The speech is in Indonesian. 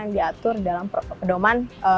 yang diatur dalam perdoman